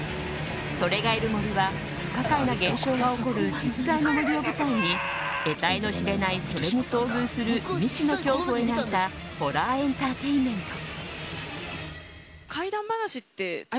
「“それ”がいる森」は不可解な現象が起こる実在の森を舞台に得体の知れない“それ”に遭遇する未知の恐怖を描いたホラーエンターテインメント。